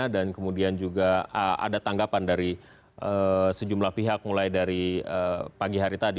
dan kemudian juga ada tanggapan dari sejumlah pihak mulai dari pagi hari tadi